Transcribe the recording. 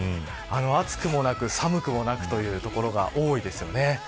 暑くもなく寒くもなくという所が多いですよね。